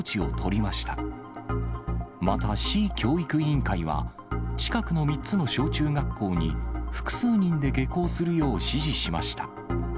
また市教育委員会は、近くの３つの小中学校に複数人で下校するよう指示しました。